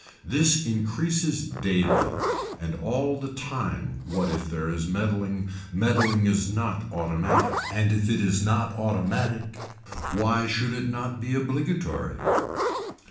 This increases daily and all the time what if there is meddling, meddling is not automatic, and if it is automatic why should it not be obligatory.